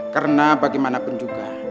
karena bagaimanapun juga